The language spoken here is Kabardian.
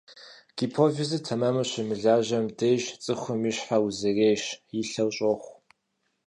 Гипофизыр тэмэму щымылажьэм деж цӀыхум и щхьэр узырейщ, и лъэр щӀоху.